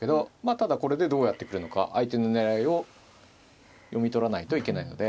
ただこれでどうやって来るのか相手の狙いを読み取らないといけないので。